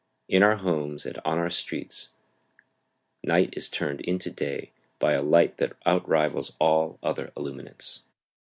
In our homes and on our streets night is turned into day by a light that outrivals all other illuminants.